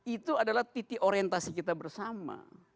itu adalah titik orientasi kita bersama